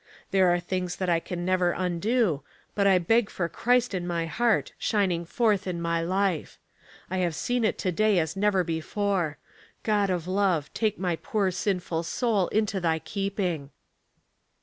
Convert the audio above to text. There are things that I can never undo, but I beg for Christ in my heart, shining forth in my life. I have seen it to day as never before. God of love, take my poor sinful soul into thy keeping."